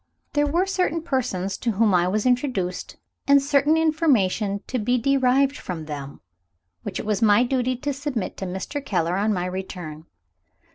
There were certain persons to whom I was introduced, and certain information to be derived from them, which it was my duty to submit to Mr. Keller on my return.